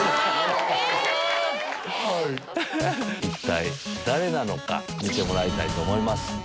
一体誰なのか見てもらいたいと思います。